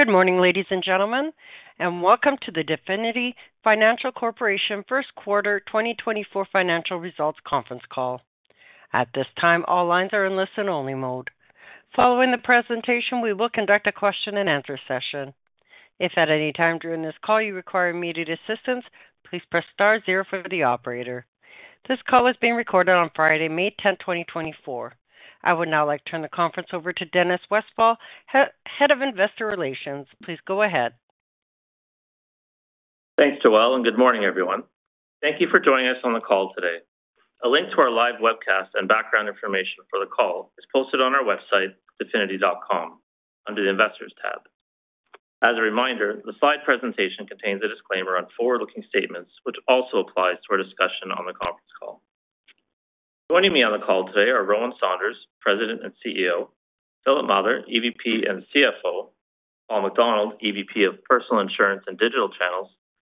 Good morning, ladies and gentlemen, and welcome to the Definity Financial Corporation First Quarter 2024 Financial Results Conference Call. At this time, all lines are in listen-only mode. Following the presentation, we will conduct a question-and-answer session. If at any time during this call you require immediate assistance, please press star zero for the operator. This call is being recorded on Friday, May 10, 2024. I would now like to turn the conference over to Dennis Westfall, Head of Investor Relations. Please go ahead. Thanks, Joelle, and good morning, everyone. Thank you for joining us on the call today. A link to our live webcast and background information for the call is posted on our website, definity.com, under the Investors tab. As a reminder, the slide presentation contains a disclaimer on forward-looking statements, which also applies to our discussion on the conference call. Joining me on the call today are Rowan Saunders, President and CEO, Philip Mather, EVP and CFO, Paul MacDonald, EVP of Personal Insurance and Digital Channels,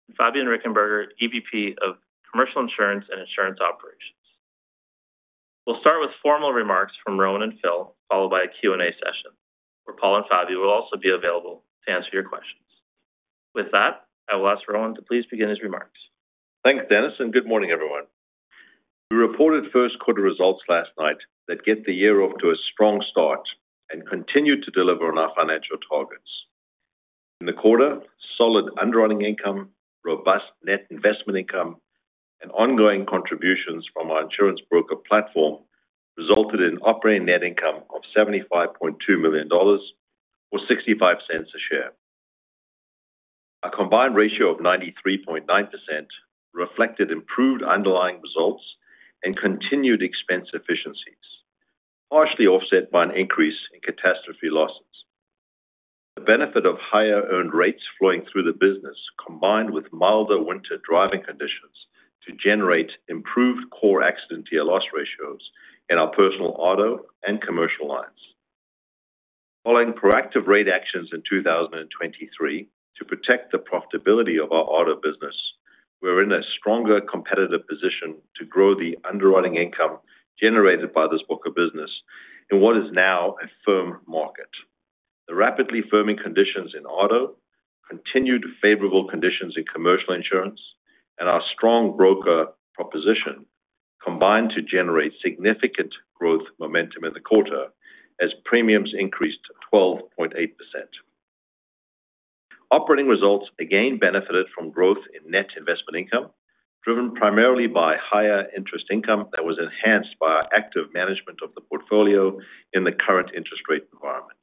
and Fabian Richenberger, EVP of Commercial Insurance and Insurance Operations. We'll start with formal remarks from Rowan and Phil, followed by a Q&A session, where Paul and Fabian will also be available to answer your questions. With that, I will ask Rowan to please begin his remarks. Thanks, Dennis, and good morning, everyone. We reported First Quarter results last night that get the year off to a strong start and continue to deliver on our financial targets. In the quarter, solid underwriting income, robust net investment income, and ongoing contributions from our insurance broker platform resulted in operating net income of 75.2 million dollars or 0.65 a share. A combined ratio of 93.9% reflected improved underlying results and continued expense efficiencies, partially offset by an increase in catastrophe losses. The benefit of higher earned rates flowing through the business combined with milder winter driving conditions to generate improved core accident year loss ratios in our personal auto and commercial lines. Following proactive rate actions in 2023 to protect the profitability of our auto business, we're in a stronger competitive position to grow the underwriting income generated by this broker business in what is now a firm market. The rapidly firming conditions in auto, continued favorable conditions in commercial insurance, and our strong broker proposition combined to generate significant growth momentum in the quarter as premiums increased 12.8%. Operating results again benefited from growth in net investment income driven primarily by higher interest income that was enhanced by our active management of the portfolio in the current interest rate environment.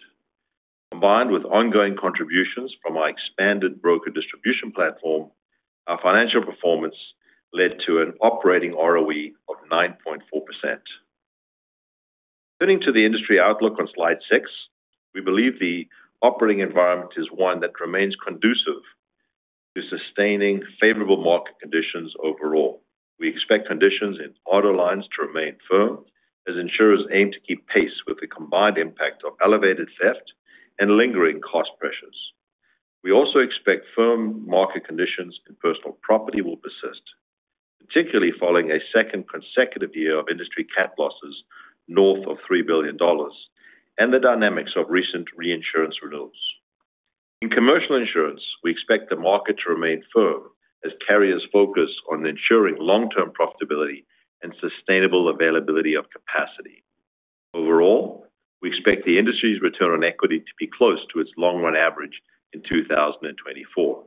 Combined with ongoing contributions from our expanded broker distribution platform, our financial performance led to an operating ROE of 9.4%. Turning to the industry outlook on slide 6, we believe the operating environment is one that remains conducive to sustaining favorable market conditions overall. We expect conditions in auto lines to remain firm as insurers aim to keep pace with the combined impact of elevated theft and lingering cost pressures. We also expect firm market conditions in personal property will persist, particularly following a second consecutive year of industry Cat losses north of 3 billion dollars and the dynamics of recent reinsurance renewals. In commercial insurance, we expect the market to remain firm as carriers focus on ensuring long-term profitability and sustainable availability of capacity. Overall, we expect the industry's return on equity to be close to its long-run average in 2024.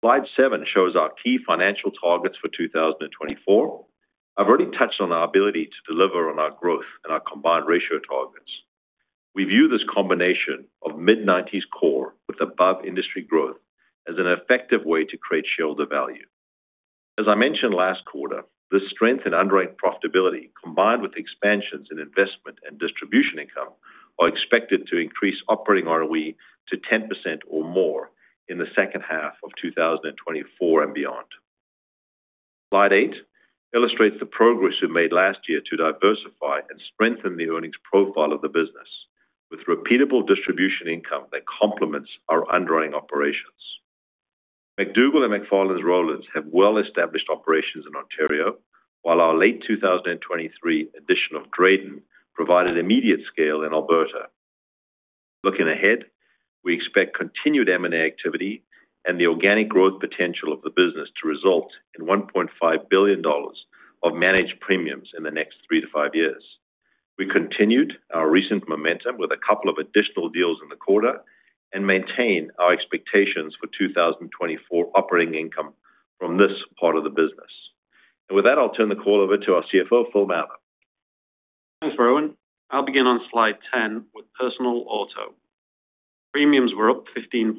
Slide 7 shows our key financial targets for 2024. I've already touched on our ability to deliver on our growth and our Combined ratio targets. We view this combination of mid-'90s core with above-industry growth as an effective way to create shareholder value. As I mentioned last quarter, the strength in underwriting profitability combined with expansions in investment and distribution income are expected to increase Operating ROE to 10% or more in the second half of 2024 and beyond. Slide 8 illustrates the progress we made last year to diversify and strengthen the earnings profile of the business with repeatable distribution income that complements our underwriting operations. McDougall and McFarlan Rowlands have well-established operations in Ontario, while our late 2023 addition of Drayden provided immediate scale in Alberta. Looking ahead, we expect continued M&A activity and the organic growth potential of the business to result in 1.5 billion dollars of managed premiums in the next three to five years. We continued our recent momentum with a couple of additional deals in the quarter and maintain our expectations for 2024 operating income from this part of the business. With that, I'll turn the call over to our CFO, Phil Mather. Thanks, Rowan. I'll begin on slide 10 with personal auto. Premiums were up 15.6%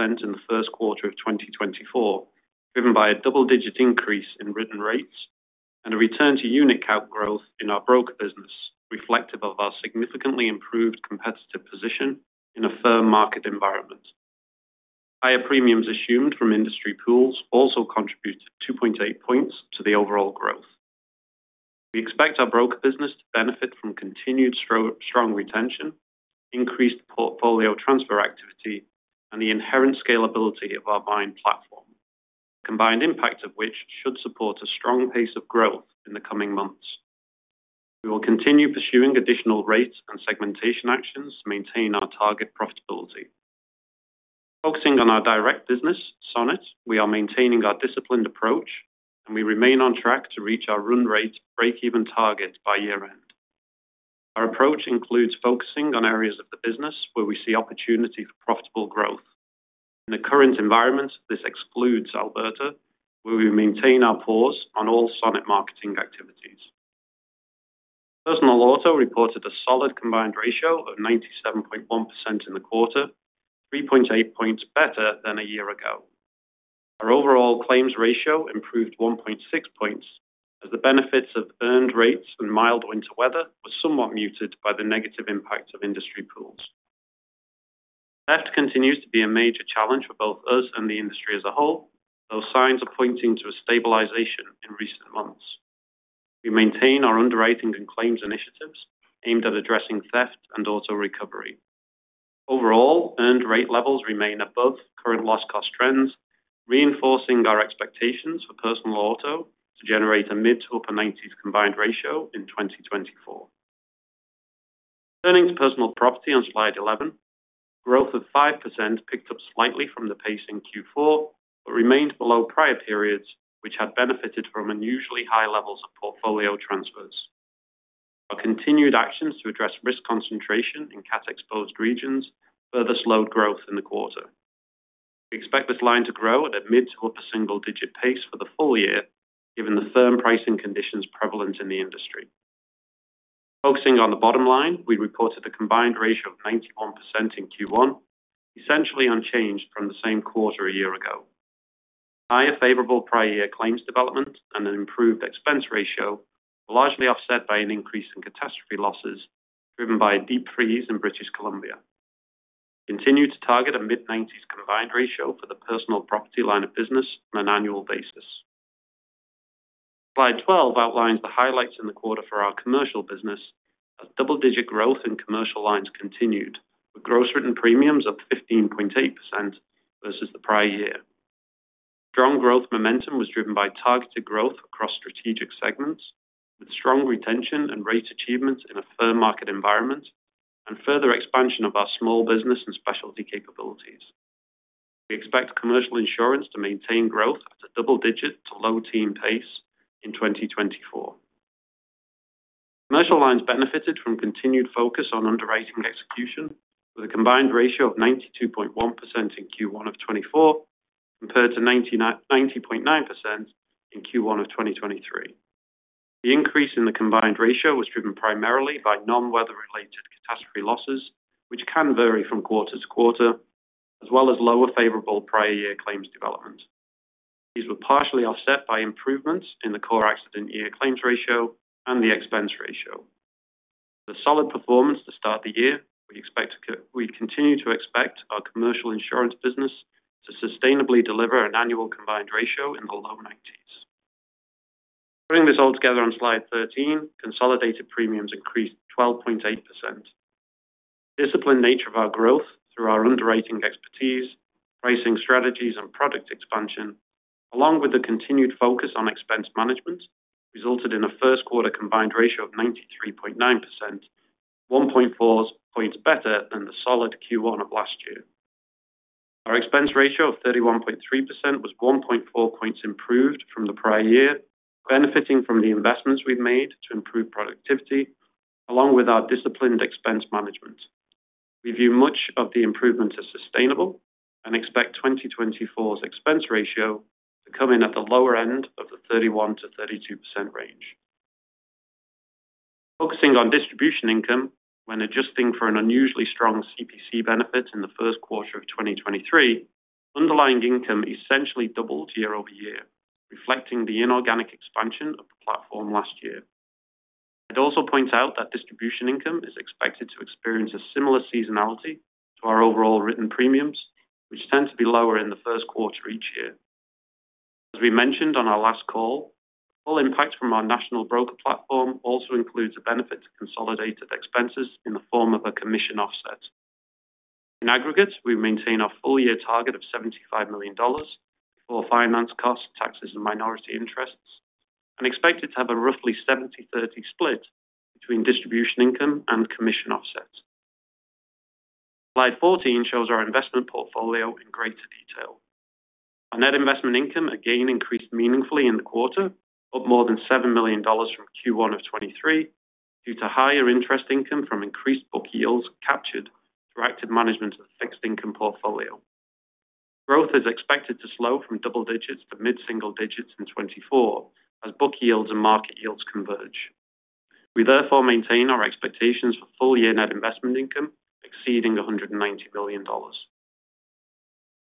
in the first quarter of 2024, driven by a double-digit increase in written rates and a return-to-unit count growth in our broker business reflective of our significantly improved competitive position in a firm market environment. Higher premiums assumed from industry pools also contributed 2.8 points to the overall growth. We expect our broker business to benefit from continued strong retention, increased portfolio transfer activity, and the inherent scalability of our buying platform, the combined impact of which should support a strong pace of growth in the coming months. We will continue pursuing additional rate and segmentation actions to maintain our target profitability. Focusing on our direct business, Sonnet, we are maintaining our disciplined approach, and we remain on track to reach our run rate break-even target by year-end. Our approach includes focusing on areas of the business where we see opportunity for profitable growth. In the current environment, this excludes Alberta, where we maintain our pause on all Sonnet marketing activities. Personal auto reported a solid combined ratio of 97.1% in the quarter, 3.8 points better than a year ago. Our overall claims ratio improved 1.6 points as the benefits of earned rates and mild winter weather were somewhat muted by the negative impact of industry pools. Theft continues to be a major challenge for both us and the industry as a whole, though signs are pointing to a stabilization in recent months. We maintain our underwriting and claims initiatives aimed at addressing theft and auto recovery. Overall, earned rate levels remain above current loss-cost trends, reinforcing our expectations for personal auto to generate a mid- to upper-90s combined ratio in 2024. Turning to personal property on slide 11, growth of 5% picked up slightly from the pace in Q4 but remained below prior periods, which had benefited from unusually high levels of portfolio transfers. Our continued actions to address risk concentration in cat-exposed regions further slowed growth in the quarter. We expect this line to grow at a mid- to upper-single-digit pace for the full year, given the firm pricing conditions prevalent in the industry. Focusing on the bottom line, we reported a combined ratio of 91% in Q1, essentially unchanged from the same quarter a year ago. Higher favorable prior-year claims development and an improved expense ratio were largely offset by an increase in catastrophe losses driven by a deep freeze in British Columbia. We continue to target a mid-'90s combined ratio for the personal property line of business on an annual basis. Slide 12 outlines the highlights in the quarter for our commercial business as double-digit growth in commercial lines continued, with gross written premiums up 15.8% versus the prior year. Strong growth momentum was driven by targeted growth across strategic segments, with strong retention and rate achievements in a firm market environment and further expansion of our small business and specialty capabilities. We expect commercial insurance to maintain growth at a double-digit to low-teens pace in 2024. Commercial lines benefited from continued focus on underwriting execution, with a combined ratio of 92.1% in Q1 of 2024 compared to 90.9% in Q1 of 2023. The increase in the combined ratio was driven primarily by non-weather-related catastrophe losses, which can vary from quarter to quarter, as well as lower favorable prior-year claims development. These were partially offset by improvements in the core accident year claims ratio and the expense ratio. With a solid performance to start the year, we continue to expect our commercial insurance business to sustainably deliver an annual combined ratio in the low 90s. Putting this all together on slide 13, consolidated premiums increased 12.8%. The disciplined nature of our growth through our underwriting expertise, pricing strategies, and product expansion, along with the continued focus on expense management, resulted in a first-quarter combined ratio of 93.9%, 1.4 points better than the solid Q1 of last year. Our expense ratio of 31.3% was 1.4 points improved from the prior year, benefiting from the investments we've made to improve productivity, along with our disciplined expense management. We view much of the improvement as sustainable and expect 2024's expense ratio to come in at the lower end of the 31%-32% range. Focusing on distribution income, when adjusting for an unusually strong CPC benefit in the first quarter of 2023, underlying income essentially doubled year-over-year, reflecting the inorganic expansion of the platform last year. I'd also point out that distribution income is expected to experience a similar seasonality to our overall written premiums, which tend to be lower in the first quarter each year. As we mentioned on our last call, the full impact from our national broker platform also includes a benefit to consolidated expenses in the form of a commission offset. In aggregate, we maintain our full-year target of 75 million dollars before finance costs, taxes, and minority interests, and expected to have a roughly 70/30 split between distribution income and commission offset. Slide 14 shows our investment portfolio in greater detail. Our net investment income again increased meaningfully in the quarter, up more than 7 million dollars from Q1 of 2023 due to higher interest income from increased book yields captured through active management of the fixed income portfolio. Growth is expected to slow from double digits to mid-single digits in 2024 as book yields and market yields converge. We therefore maintain our expectations for full-year net investment income exceeding 190 million dollars.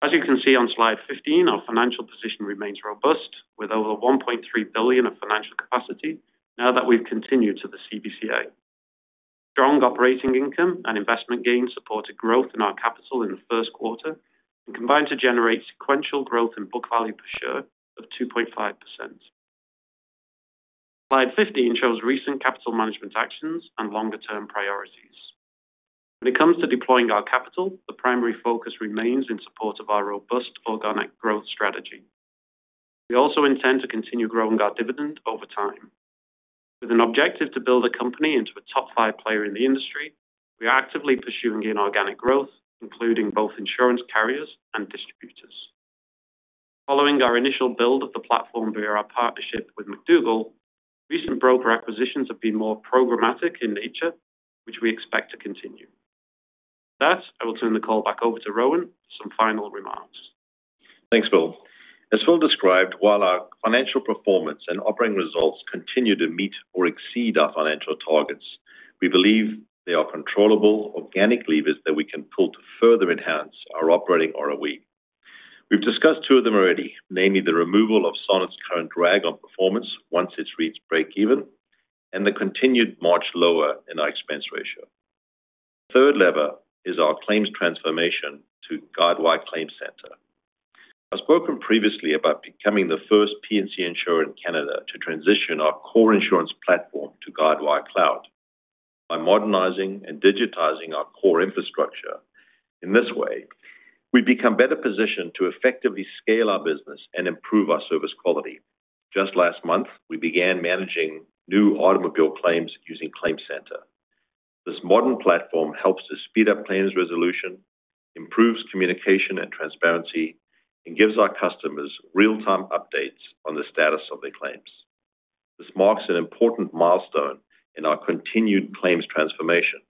As you can see on slide 15, our financial position remains robust with over 1.3 billion of financial capacity now that we've continued under the CBCA. Strong operating income and investment gains supported growth in our capital in the first quarter and combined to generate sequential growth in book value per share of 2.5%. Slide 15 shows recent capital management actions and longer-term priorities. When it comes to deploying our capital, the primary focus remains in support of our robust organic growth strategy. We also intend to continue growing our dividend over time. With an objective to build a company into a top five player in the industry, we are actively pursuing inorganic growth, including both insurance carriers and distributors. Following our initial build of the platform via our partnership with McDougall, recent broker acquisitions have been more programmatic in nature, which we expect to continue. With that, I will turn the call back over to Rowan for some final remarks. Thanks, Phil. As Phil described, while our financial performance and operating results continue to meet or exceed our financial targets, we believe they are controllable organic levers that we can pull to further enhance our operating ROE. We've discussed two of them already, namely the removal of Sonnet's current drag on performance once it reaches break-even and the continued march lower in our expense ratio. The third lever is our claims transformation to Guidewire ClaimCenter. I've spoken previously about becoming the first P&C insurer in Canada to transition our core insurance platform to Guidewire Cloud by modernizing and digitizing our core infrastructure. In this way, we become better positioned to effectively scale our business and improve our service quality. Just last month, we began managing new automobile claims using ClaimCenter. This modern platform helps to speed up claims resolution, improves communication and transparency, and gives our customers real-time updates on the status of their claims. This marks an important milestone in our continued claims transformation,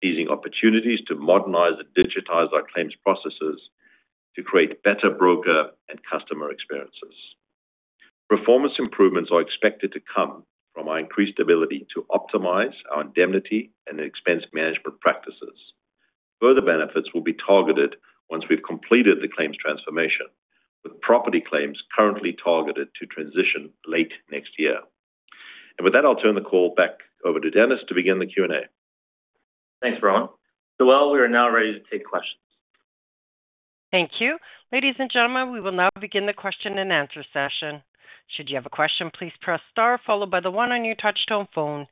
seizing opportunities to modernize and digitize our claims processes to create better broker and customer experiences. Performance improvements are expected to come from our increased ability to optimize our indemnity and expense management practices. Further benefits will be targeted once we've completed the claims transformation, with property claims currently targeted to transition late next year. With that, I'll turn the call back over to Dennis to begin the Q&A. Thanks, Rowan. Phil, we are now ready to take questions. Thank you. Ladies and gentlemen, we will now begin the question and answer session. Should you have a question, please press star, followed by the one on your touch-tone phone.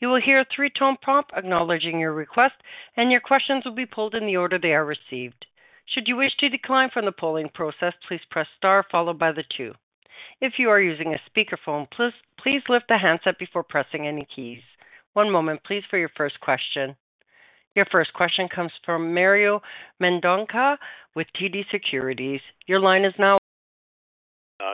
You will hear a three-tone prompt acknowledging your request, and your questions will be pulled in the order they are received. Should you wish to decline from the polling process, please press star, followed by the two. If you are using a speakerphone, please lift the handset before pressing any keys. One moment, please, for your first question. Your first question comes from Mario Mendonca with TD Securities. Your line is now.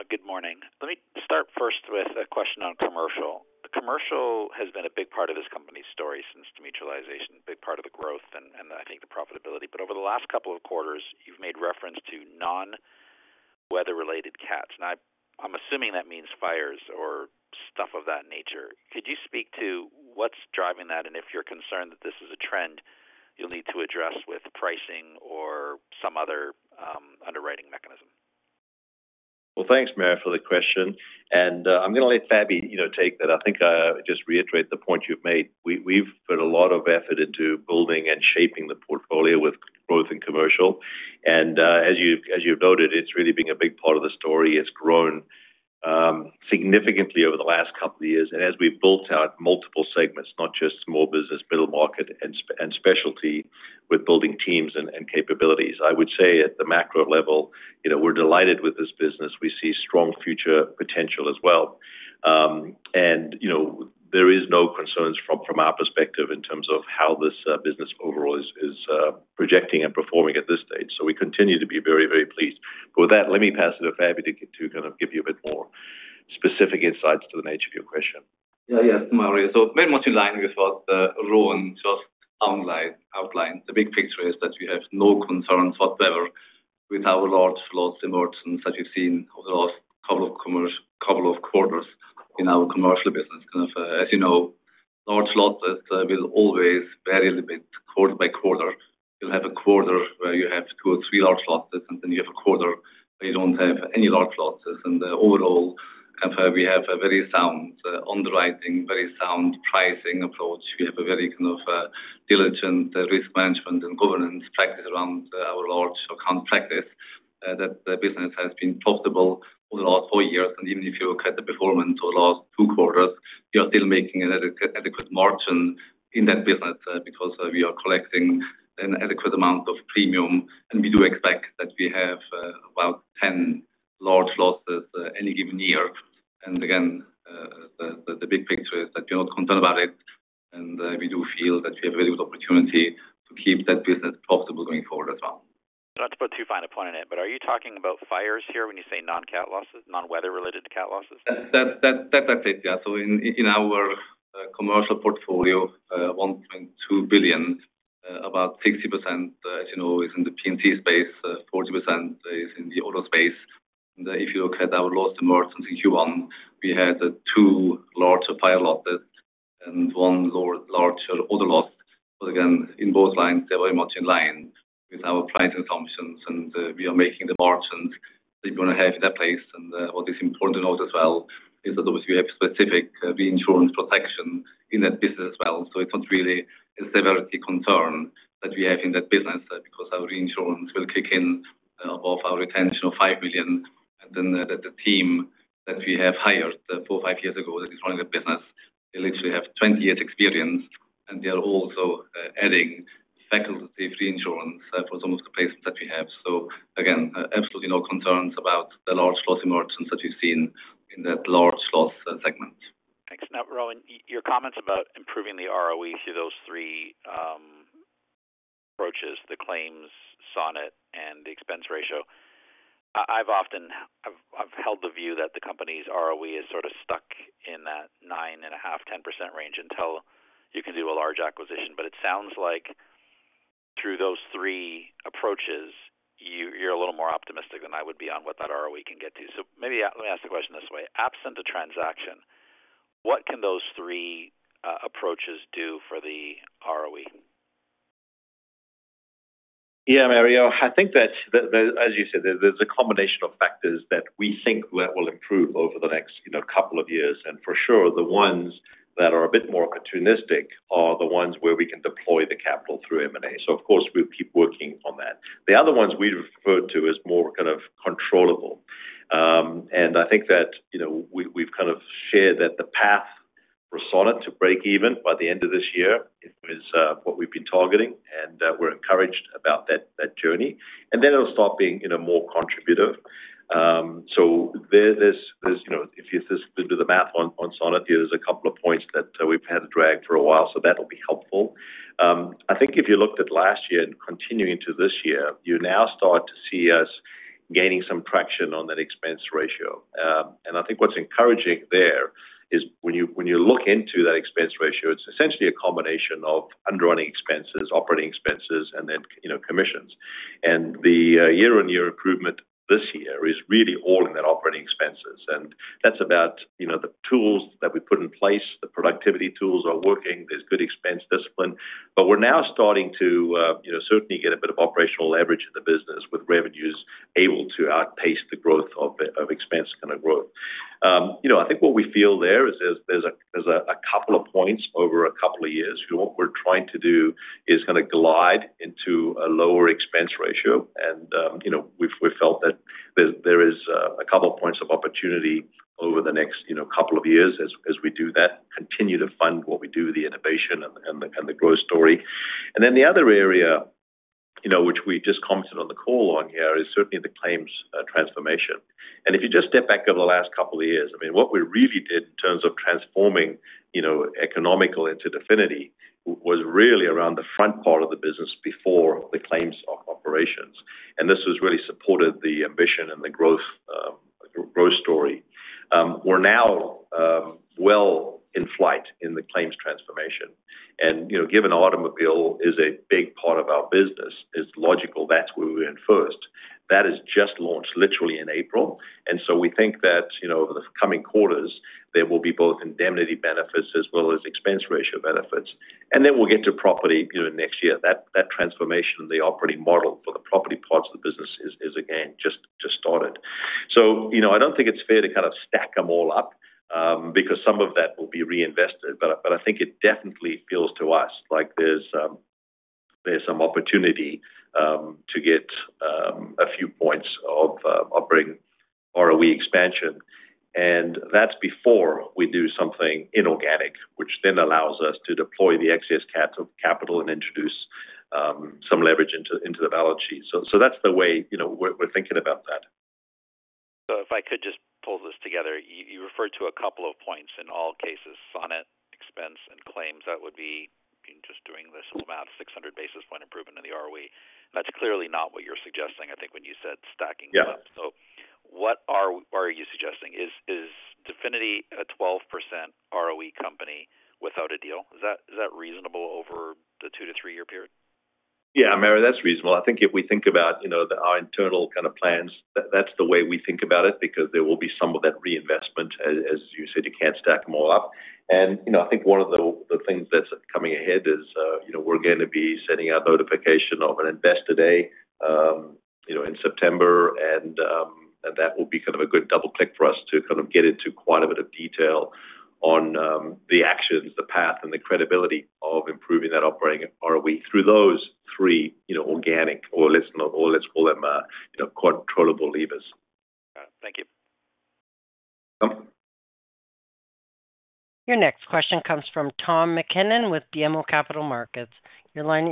Good morning. Let me start first with a question on commercial. Commercial has been a big part of this company's story since demutualization, a big part of the growth and, I think, the profitability. But over the last couple of quarters, you've made reference to non-weather-related cats. Now, I'm assuming that means fires or stuff of that nature. Could you speak to what's driving that, and if you're concerned that this is a trend you'll need to address with pricing or some other underwriting mechanism? Well, thanks, Mario, for the question. I'm going to let Fabian take that. I think I just reiterate the point you've made. We've put a lot of effort into building and shaping the portfolio with growth in commercial. As you've noted, it's really been a big part of the story. It's grown significantly over the last couple of years. As we've built out multiple segments, not just small business, middle market, and specialty, with building teams and capabilities, I would say at the macro level, we're delighted with this business. We see strong future potential as well. There are no concerns from our perspective in terms of how this business overall is projecting and performing at this stage. We continue to be very, very pleased. With that, let me pass it to Fabian to kind of give you a bit more specific insights to the nature of your question. Yeah, yes, to Mario. So very much in line with what Rowan just outlined. The big picture is that we have no concerns whatever with our large losses emergence that we've seen over the last couple of quarters in our commercial business. Kind of, as you know, large losses will always vary a little bit quarter by quarter. You'll have a quarter where you have two or three large losses, and then you have a quarter where you don't have any large losses. And overall, kind of, we have a very sound underwriting, very sound pricing approach. We have a very kind of diligent risk management and governance practice around our large account practice that the business has been profitable over the last four years. Even if you look at the performance over the last two quarters, we are still making an adequate margin in that business because we are collecting an adequate amount of premium. We do expect that we have about 10 large losses any given year. Again, the big picture is that we're not concerned about it, and we do feel that we have a very good opportunity to keep that business profitable going forward as well. So that's a bit too fine a point in it. But are you talking about fires here when you say non-cat losses, non-weather-related cat losses? That's it, yeah. So in our commercial portfolio, 1.2 billion, about 60%, as you know, is in the P&C space, 40% is in the auto space. And if you look at our loss emergence in Q1, we had two larger fire losses and one larger auto loss. But again, in both lines, they're very much in line with our price assumptions, and we are making the margins that you want to have in that place. And what is important to note as well is that we have specific reinsurance protection in that business as well. So it's not really a severity concern that we have in that business because our reinsurance will kick in above our retention of 5 million. Then the team that we have hired 4 or 5 years ago that is running the business, they literally have 20 years experience, and they are also adding facultative reinsurance for some of the placements that we have. So again, absolutely no concerns about the large loss emergence that we've seen in that large loss segment. Thanks. Now, Rowan, your comments about improving the ROE through those three approaches, the claims, Sonnet, and the expense ratio. I've held the view that the company's ROE is sort of stuck in that 9.5, 10% range until you can do a large acquisition. But it sounds like through those three approaches, you're a little more optimistic than I would be on what that ROE can get to. So maybe let me ask the question this way. Absent a transaction, what can those three approaches do for the ROE? Yeah, Mario. I think that, as you said, there's a combination of factors that we think will improve over the next couple of years. For sure, the ones that are a bit more opportunistic are the ones where we can deploy the capital through M&A. Of course, we'll keep working on that. The other ones we referred to as more kind of controllable. I think that we've kind of shared that the path for Sonnet to break even by the end of this year, it was what we've been targeting, and we're encouraged about that journey. Then it'll stop being more contributive. If you do the math on Sonnet, there's a couple of points that we've had to drag for a while, so that'll be helpful. I think if you looked at last year and continuing to this year, you now start to see us gaining some traction on that expense ratio. I think what's encouraging there is when you look into that expense ratio, it's essentially a combination of underwriting expenses, operating expenses, and then commissions. The year-on-year improvement this year is really all in that operating expenses. That's about the tools that we put in place. The productivity tools are working. There's good expense discipline. But we're now starting to certainly get a bit of operational leverage in the business with revenues able to outpace the growth of expense kind of growth. I think what we feel there is there's a couple of points over a couple of years. What we're trying to do is kind of glide into a lower expense ratio. And we've felt that there are a couple of points of opportunity over the next couple of years as we do that, continue to fund what we do, the innovation and the growth story. And then the other area, which we just commented on the call on here, is certainly the claims transformation. And if you just step back over the last couple of years, I mean, what we really did in terms of transforming Economical into Definity was really around the front part of the business before the claims operations. And this has really supported the ambition and the growth story. We're now well in flight in the claims transformation. And given automobile is a big part of our business, it's logical that's where we're in first. That is just launched literally in April. And so we think that over the coming quarters, there will be both indemnity benefits as well as expense ratio benefits. And then we'll get to property next year. That transformation in the operating model for the property parts of the business is, again, just started. So I don't think it's fair to kind of stack them all up because some of that will be reinvested. But I think it definitely feels to us like there's some opportunity to get a few points of Operating ROE expansion. And that's before we do something inorganic, which then allows us to deploy the excess capital and introduce some leverage into the balance sheet. So that's the way we're thinking about that. So if I could just pull this together, you referred to a couple of points. In all cases, Sonnet, expense, and claims, that would be just doing the simple amount, 600 basis points improvement in the ROE. That's clearly not what you're suggesting, I think, when you said stacking them up. So what are you suggesting? Is Definity a 12% ROE company without a deal? Is that reasonable over the 2-3-year period? Yeah, Mario, that's reasonable. I think if we think about our internal kind of plans, that's the way we think about it because there will be some of that reinvestment. As you said, you can't stack them all up. And I think one of the things that's coming ahead is we're going to be sending out notification of an investor day in September. And that will be kind of a good double-click for us to kind of get into quite a bit of detail on the actions, the path, and the credibility of improving that operating ROE through those three organic or let's call them controllable levers. Got it. Thank you. Come? Your next question comes from Tom McKinnon with BMO Capital Markets. Your line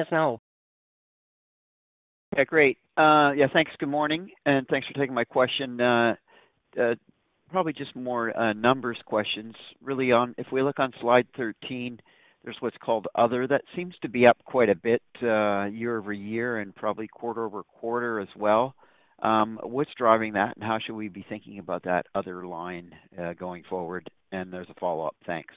is now open. Yeah, great. Yeah, thanks. Good morning. Thanks for taking my question. Probably just more numbers questions. Really, if we look on slide 13, there's what's called other that seems to be up quite a bit year-over-year and probably quarter-over-quarter as well. What's driving that, and how should we be thinking about that other line going forward? There's a follow-up. Thanks.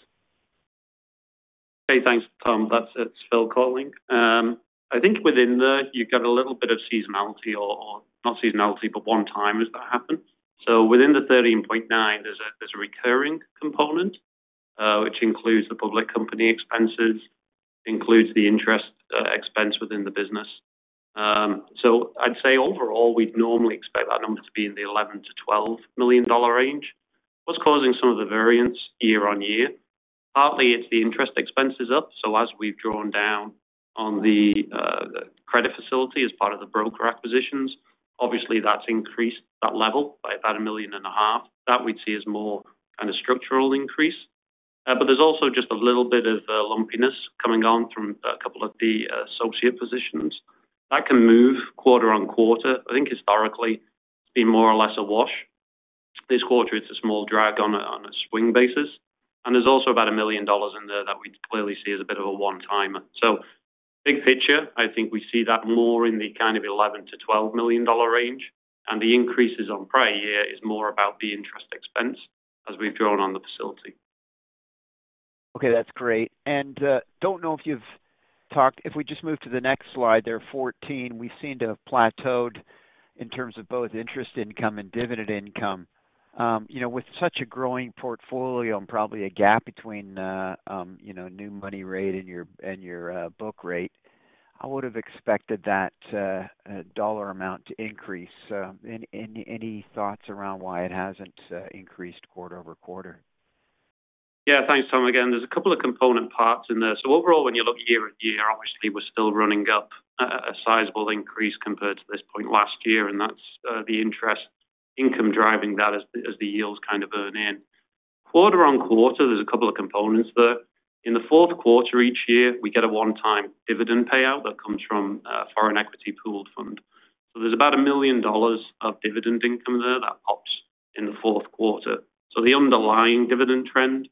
Hey, thanks, Tom. That's Phil calling. I think within there, you've got a little bit of seasonality or not seasonality, but one time has that happened. So within the 13.9, there's a recurring component, which includes the public company expenses, includes the interest expense within the business. So I'd say overall, we'd normally expect that number to be in the 11 million-12 million range. What's causing some of the variance year-over-year? Partly, it's the interest expense is up. So as we've drawn down on the credit facility as part of the broker acquisitions, obviously, that's increased that level by about 1.5 million. That we'd see as more kind of structural increase. But there's also just a little bit of lumpiness coming on from a couple of the associate positions. That can move quarter-over-quarter. I think historically, it's been more or less a wash. This quarter, it's a small drag on a swing basis. There's also about 1 million dollars in there that we clearly see as a bit of a one-timer. So big picture, I think we see that more in the kind of 11 million-12 million range. The increases on prior year is more about the interest expense as we've drawn on the facility. Okay, that's great. And I don't know if you've talked if we just move to the next slide, there are 14. We've seen to have plateaued in terms of both interest income and dividend income. With such a growing portfolio and probably a gap between new money rate and your book rate, I would have expected that dollar amount to increase. Any thoughts around why it hasn't increased quarter-over-quarter? Yeah, thanks, Tom, again. There's a couple of component parts in there. So overall, when you look year-on-year, obviously, we're still running up a sizable increase compared to this point last year. And that's the interest income driving that as the yields kind of earn in. Quarter-on-quarter, there's a couple of components there. In the fourth quarter each year, we get a one-time dividend payout that comes from a foreign equity pooled fund. So there's about 1 million dollars of dividend income there that pops in the fourth quarter. So the underlying dividend trend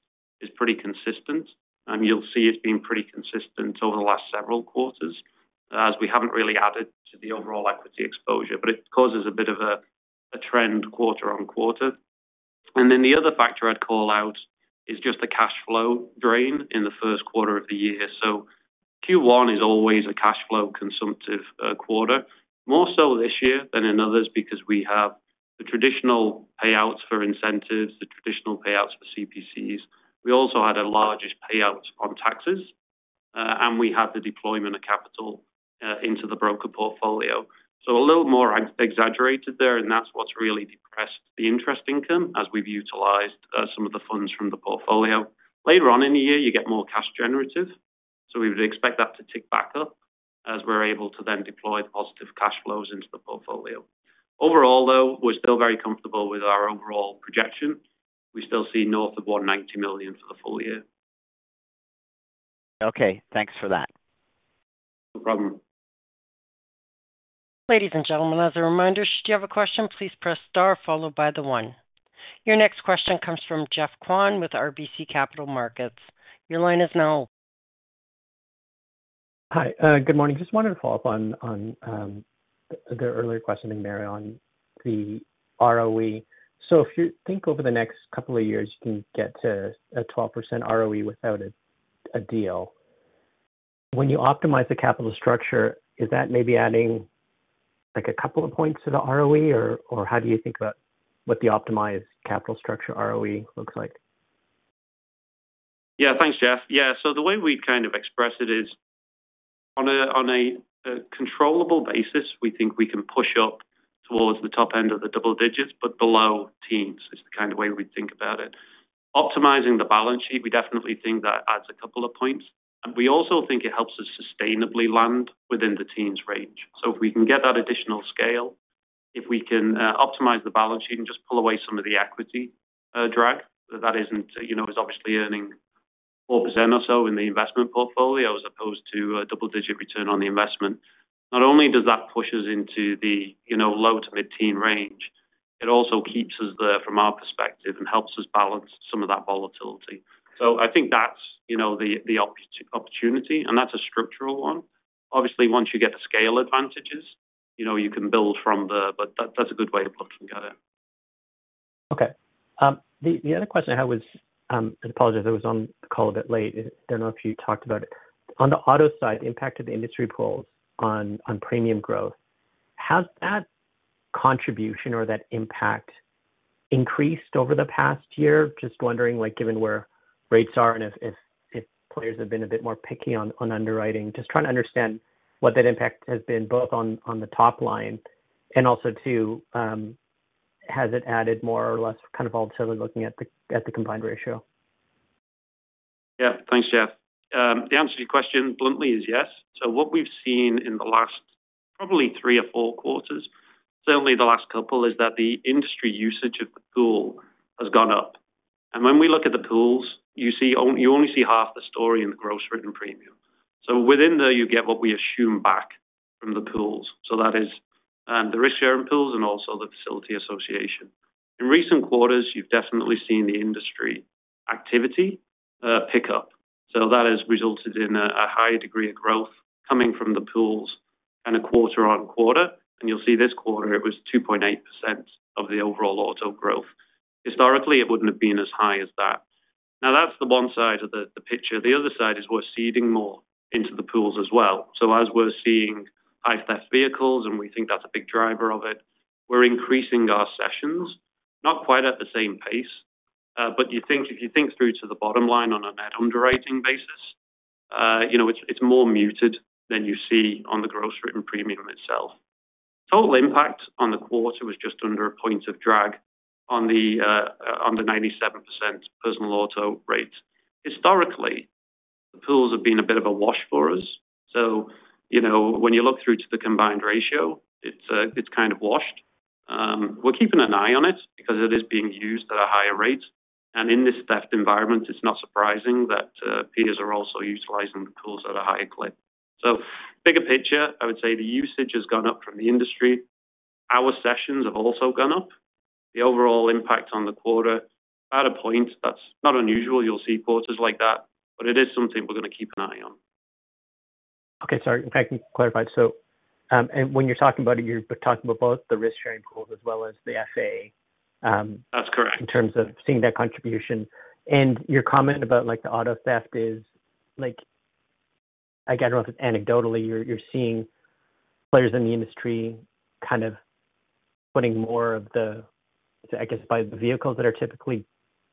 is pretty consistent. And you'll see it's been pretty consistent over the last several quarters as we haven't really added to the overall equity exposure. But it causes a bit of a trend quarter-on-quarter. Then the other factor I'd call out is just the cash flow drain in the first quarter of the year. So Q1 is always a cash flow consumptive quarter, more so this year than in others because we have the traditional payouts for incentives, the traditional payouts for CPCs. We also had a largest payout on taxes. And we had the deployment of capital into the broker portfolio. So a little more exaggerated there. And that's what's really depressed the interest income as we've utilized some of the funds from the portfolio. Later on in the year, you get more cash generative. So we would expect that to tick back up as we're able to then deploy the positive cash flows into the portfolio. Overall, though, we're still very comfortable with our overall projection. We still see north of 190 million for the full year. Okay, thanks for that. No problem. Ladies and gentlemen, as a reminder, should you have a question, please press star followed by the one. Your next question comes from Geoffrey Kwan with RBC Capital Markets. Your line is now open. Hi. Good morning. Just wanted to follow up on the earlier questioning, Mario, on the ROE. So if you think over the next couple of years, you can get to a 12% ROE without a deal. When you optimize the capital structure, is that maybe adding a couple of points to the ROE? Or how do you think about what the optimized capital structure ROE looks like? Yeah, thanks, Jeff. Yeah, so the way we'd kind of express it is on a controllable basis, we think we can push up towards the top end of the double digits, but below teens. It's the kind of way we'd think about it. Optimizing the balance sheet, we definitely think that adds a couple of points. And we also think it helps us sustainably land within the teens range. So if we can get that additional scale, if we can optimize the balance sheet and just pull away some of the equity drag, that isn't, is obviously earning 4% or so in the investment portfolio as opposed to a double-digit return on the investment. Not only does that push us into the low to mid-teen range, it also keeps us there from our perspective and helps us balance some of that volatility. So I think that's the opportunity. That's a structural one. Obviously, once you get the scale advantages, you can build from the but that's a good way of looking at it. Okay. The other question I had was an apology. I thought I was on the call a bit late. I don't know if you talked about it. On the auto side, the impact of the industry pools on premium growth, has that contribution or that impact increased over the past year? Just wondering, given where rates are and if players have been a bit more picky on underwriting, just trying to understand what that impact has been both on the top line and also, too, has it added more or less kind of volatility looking at the combined ratio? Yeah, thanks, Jeff. The answer to your question bluntly is yes. So what we've seen in the last probably three or four quarters, certainly the last couple, is that the industry usage of the pool has gone up. And when we look at the pools, you only see half the story in the gross written premium. So within there, you get what we assume back from the pools. So that is the Risk Sharing Pools and also the Facility Association. In recent quarters, you've definitely seen the industry activity pick up. So that has resulted in a higher degree of growth coming from the pools kind of quarter-over-quarter. And you'll see this quarter, it was 2.8% of the overall auto growth. Historically, it wouldn't have been as high as that. Now, that's the one side of the picture. The other side is we're seeding more into the pools as well. So as we're seeing high theft vehicles, and we think that's a big driver of it, we're increasing our sessions, not quite at the same pace. But if you think through to the bottom line on a net underwriting basis, it's more muted than you see on the gross written premium itself. Total impact on the quarter was just under a point of drag on the 97% personal auto rate. Historically, the pools have been a bit of a wash for us. So when you look through to the combined ratio, it's kind of washed. We're keeping an eye on it because it is being used at a higher rate. In this theft environment, it's not surprising that peers are also utilizing the pools at a higher clip. So bigger picture, I would say the usage has gone up from the industry. Our sessions have also gone up. The overall impact on the quarter, about a point. That's not unusual. You'll see quarters like that. But it is something we're going to keep an eye on. Okay, sorry. I can clarify. So when you're talking about it, you're talking about both the Risk Sharing Pools as well as the FA. That's correct. In terms of seeing that contribution. Your comment about the auto theft is again, I don't know if it's anecdotally, you're seeing players in the industry kind of putting more of the, I guess, high-theft vehicles that are typically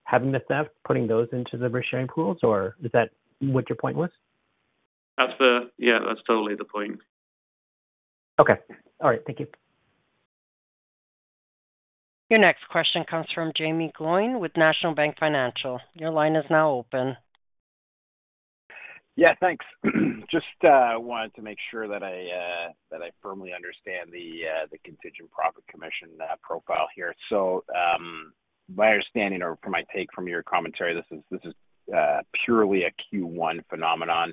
having the theft, putting those into the Risk Sharing Pools? Or is that what your point was? Yeah, that's totally the point. Okay. All right. Thank you. Your next question comes from Jaeme Gloyn with National Bank Financial. Your line is now open. Yeah, thanks. Just wanted to make sure that I firmly understand the Contingent Profit Commission profile here. So my understanding or from my take from your commentary, this is purely a Q1 phenomenon.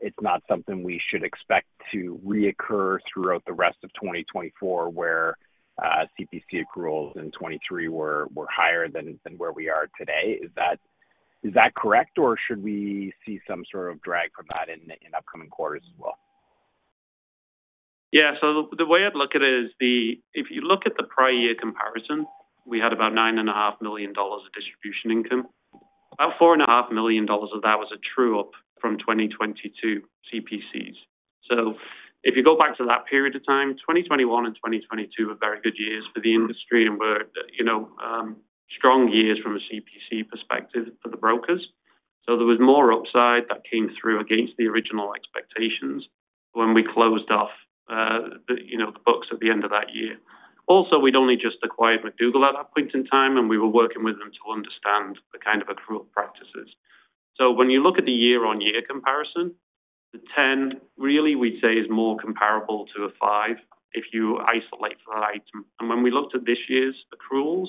It's not something we should expect to reoccur throughout the rest of 2024 where CPC accruals in 2023 were higher than where we are today. Is that correct? Or should we see some sort of drag from that in upcoming quarters as well? Yeah, so the way I'd look at it is if you look at the prior year comparison, we had about 9.5 million dollars of distribution income. About 4.5 million dollars of that was a true-up from 2022 CPCs. So if you go back to that period of time, 2021 and 2022 were very good years for the industry and were strong years from a CPC perspective for the brokers. So there was more upside that came through against the original expectations when we closed off the books at the end of that year. Also, we'd only just acquired McDougall at that point in time, and we were working with them to understand the kind of accrual practices. So when you look at the year-on-year comparison, the 10, really, we'd say is more comparable to a 5 if you isolate for that item. When we looked at this year's accruals,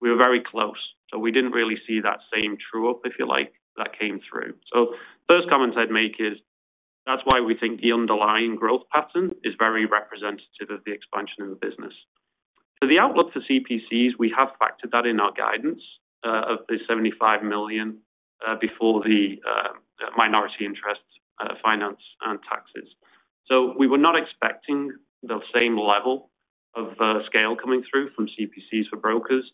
we were very close. So we didn't really see that same true-up, if you like, that came through. So first comment I'd make is that's why we think the underlying growth pattern is very representative of the expansion in the business. For the outlook for CPCs, we have factored that in our guidance of 75 million before the minority interest finance and taxes. So we were not expecting the same level of scale coming through from CPCs for brokers,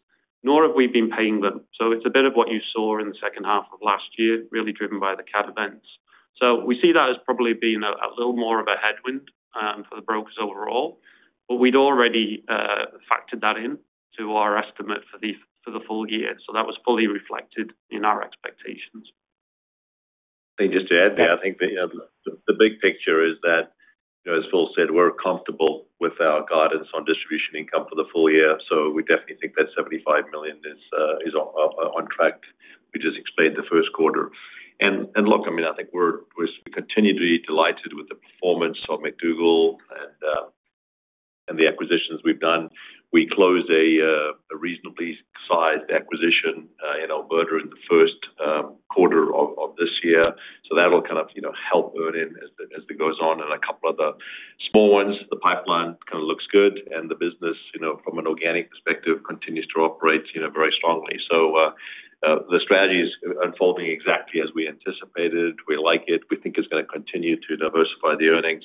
nor have we been paying them. So it's a bit of what you saw in the second half of last year, really driven by the cat events. So we see that as probably being a little more of a headwind for the brokers overall. But we'd already factored that in to our estimate for the full year. That was fully reflected in our expectations. Just to add there, I think that the big picture is that, as Phil said, we're comfortable with our guidance on distribution income for the full year. We definitely think that 75 million is on track, which explains the first quarter. And look, I mean, I think we continue to be delighted with the performance of McDougall and the acquisitions we've done. We closed a reasonably sized acquisition in Alberta in the first quarter of this year. That'll kind of help earn in as it goes on. And a couple of the small ones, the pipeline kind of looks good. And the business, from an organic perspective, continues to operate very strongly. The strategy is unfolding exactly as we anticipated. We like it. We think it's going to continue to diversify the earnings.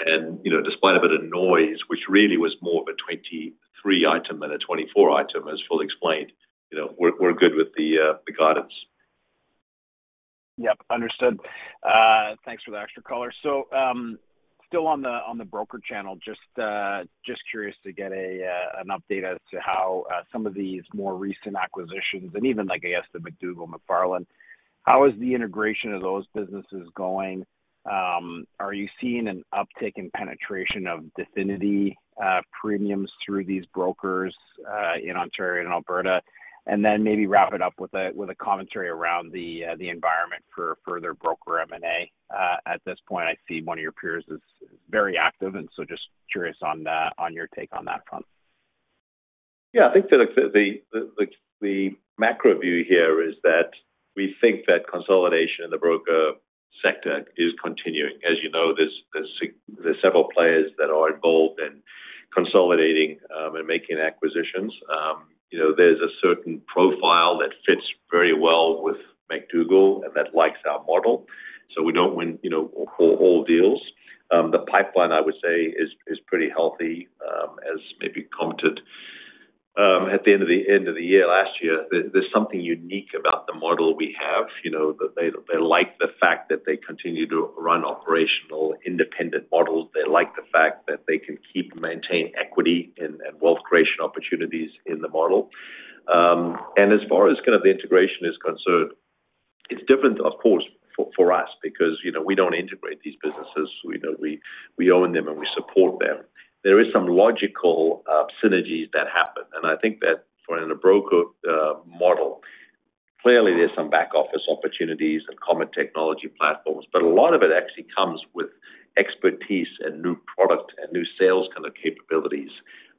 Despite a bit of noise, which really was more of a 23-item than a 24-item, as Phil explained, we're good with the guidance. Yep, understood. Thanks for the extra color. So still on the broker channel, just curious to get an update as to how some of these more recent acquisitions and even, I guess, the McDougall, McFarlan, how is the integration of those businesses going? Are you seeing an uptick in penetration of Definity premiums through these brokers in Ontario and Alberta? And then maybe wrap it up with a commentary around the environment for further broker M&A. At this point, I see one of your peers is very active. And so just curious on your take on that front. Yeah, I think that the macro view here is that we think that consolidation in the broker sector is continuing. As you know, there's several players that are involved in consolidating and making acquisitions. There's a certain profile that fits very well with McDougall and that likes our model. So we don't win all deals. The pipeline, I would say, is pretty healthy, as maybe commented at the end of the year last year. There's something unique about the model we have. They like the fact that they continue to run operational independent models. They like the fact that they can keep and maintain equity and wealth creation opportunities in the model. And as far as kind of the integration is concerned, it's different, of course, for us because we don't integrate these businesses. We own them and we support them. There is some logical synergies that happen. I think that for a broker model, clearly, there's some back-office opportunities and common technology platforms. A lot of it actually comes with expertise and new product and new sales kind of capabilities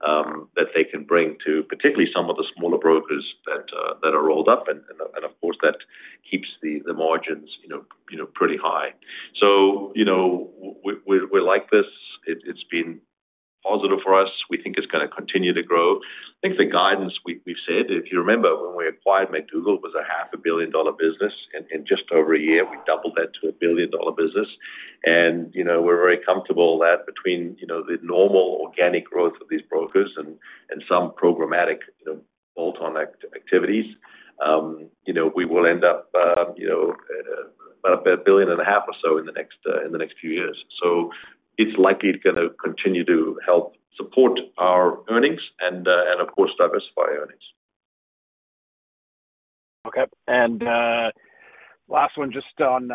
that they can bring to particularly some of the smaller brokers that are rolled up. Of course, that keeps the margins pretty high. So we like this. It's been positive for us. We think it's going to continue to grow. I think the guidance we've said, if you remember, when we acquired McDougall, it was a 500 million dollar business. In just over a year, we doubled that to a 1 billion dollar business. We're very comfortable that between the normal organic growth of these brokers and some programmatic bolt-on activities, we will end up about 1.5 billion or so in the next few years. It's likely going to continue to help support our earnings and, of course, diversify earnings. Okay. And last one, just on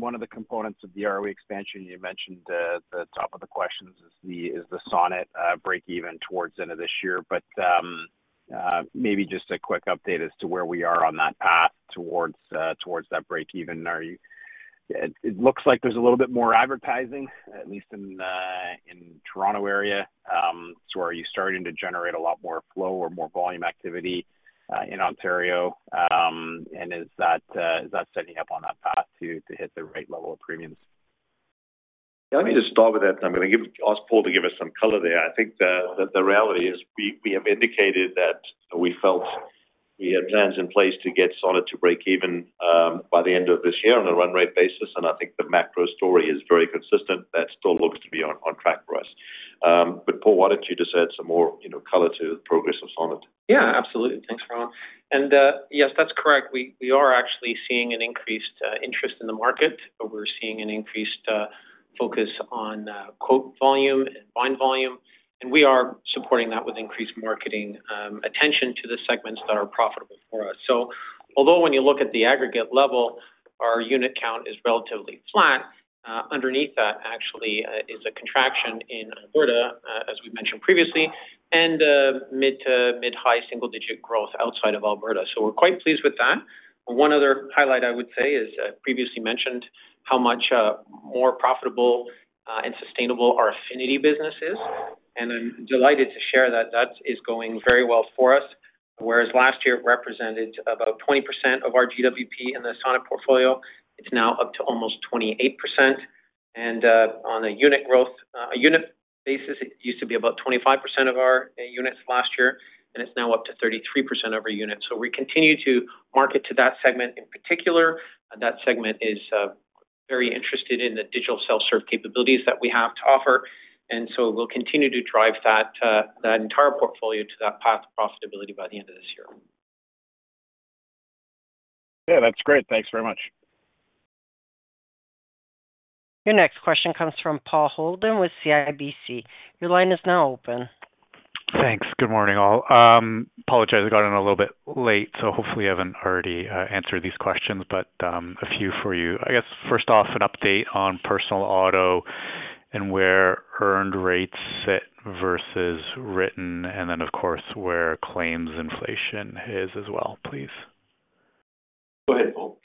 one of the components of the ROE expansion, you mentioned the top of the questions is the Sonnet break-even towards the end of this year. But maybe just a quick update as to where we are on that path towards that break-even. It looks like there's a little bit more advertising, at least in Toronto area. So are you starting to generate a lot more flow or more volume activity in Ontario? And is that setting up on that path to hit the right level of premiums? Yeah, let me just start with that. I'm going to ask Paul to give us some color there. I think the reality is we have indicated that we felt we had plans in place to get Sonnet to break-even by the end of this year on a run-rate basis. I think the macro story is very consistent. That still looks to be on track for us. Paul, why don't you just add some more color to the progress of Sonnet? Yeah, absolutely. Thanks, Rowan. And yes, that's correct. We are actually seeing an increased interest in the market. We're seeing an increased focus on "volume" and "bundled volume." And we are supporting that with increased marketing attention to the segments that are profitable for us. So although when you look at the aggregate level, our unit count is relatively flat, underneath that actually is a contraction in Alberta, as we mentioned previously, and mid- to mid-high single-digit growth outside of Alberta. So we're quite pleased with that. One other highlight, I would say, is previously mentioned how much more profitable and sustainable our affinity business is. And I'm delighted to share that that is going very well for us. Whereas last year, it represented about 20% of our GWP in the Sonnet portfolio, it's now up to almost 28%. On a unit growth basis, it used to be about 25% of our units last year. It's now up to 33% of our units. We continue to market to that segment in particular. That segment is very interested in the digital self-serve capabilities that we have to offer. So we'll continue to drive that entire portfolio to that path of profitability by the end of this year. Yeah, that's great. Thanks very much. Your next question comes from Paul Holden with CIBC. Your line is now open. Thanks. Good morning, all. Apologize. I got in a little bit late. So hopefully, I haven't already answered these questions, but a few for you. I guess, first off, an update on personal auto and where earned rates sit versus written, and then, of course, where claims inflation is as well, please. Go ahead, Paul.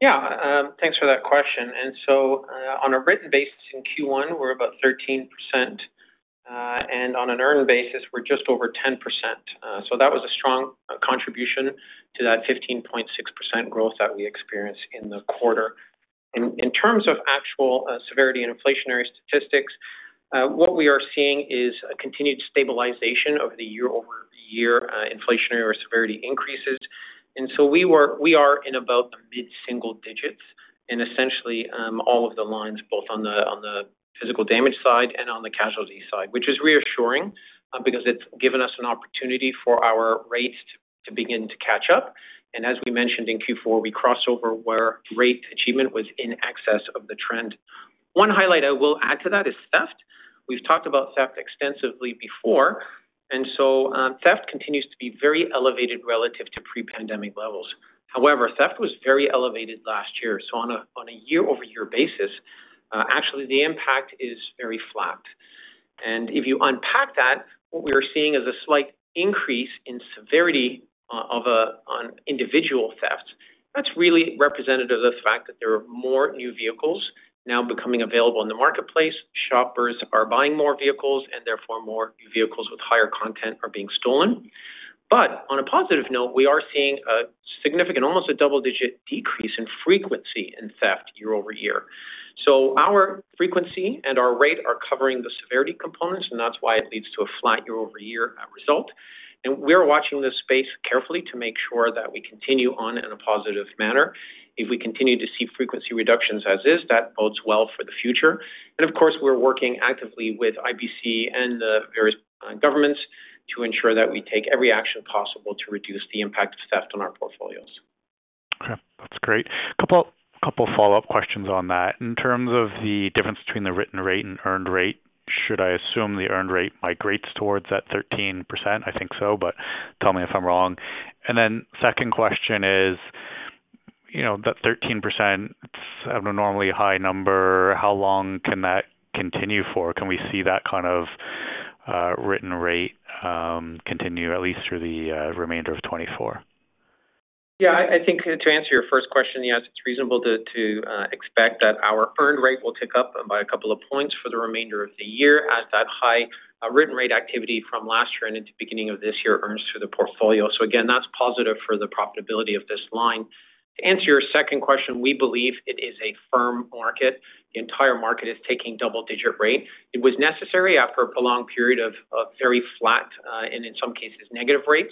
Yeah, thanks for that question. So on a written basis in Q1, we're about 13%. And on an earned basis, we're just over 10%. So that was a strong contribution to that 15.6% growth that we experienced in the quarter. In terms of actual severity and inflationary statistics, what we are seeing is a continued stabilization of the year-over-year inflationary or severity increases. So we are in about the mid-single digits in essentially all of the lines, both on the physical damage side and on the casualty side, which is reassuring because it's given us an opportunity for our rates to begin to catch up. And as we mentioned in Q4, we crossed over where rate achievement was in excess of the trend. One highlight I will add to that is theft. We've talked about theft extensively before. And so theft continues to be very elevated relative to pre-pandemic levels. However, theft was very elevated last year. So on a year-over-year basis, actually, the impact is very flat. And if you unpack that, what we are seeing is a slight increase in severity of individual thefts. That's really representative of the fact that there are more new vehicles now becoming available in the marketplace. Shoppers are buying more vehicles, and therefore, more new vehicles with higher content are being stolen. But on a positive note, we are seeing a significant, almost a double-digit decrease in frequency in theft year-over-year. So our frequency and our rate are covering the severity components. And that's why it leads to a flat year-over-year result. And we are watching this space carefully to make sure that we continue on in a positive manner. If we continue to see frequency reductions as is, that bodes well for the future. Of course, we're working actively with IBC and the various governments to ensure that we take every action possible to reduce the impact of theft on our portfolios. Okay, that's great. A couple follow-up questions on that. In terms of the difference between the written rate and earned rate, should I assume the earned rate migrates towards that 13%? I think so, but tell me if I'm wrong. And then second question is, that 13%, I don't know, normally a high number. How long can that continue for? Can we see that kind of written rate continue, at least through the remainder of 2024? Yeah, I think to answer your first question, yes, it's reasonable to expect that our earned rate will tick up by a couple of points for the remainder of the year as that high written rate activity from last year and into the beginning of this year earns through the portfolio. So again, that's positive for the profitability of this line. To answer your second question, we believe it is a firm market. The entire market is taking double-digit rate. It was necessary after a prolonged period of very flat and, in some cases, negative rates.